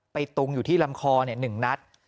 ตุงอยู่ที่ลำคอ๑นัด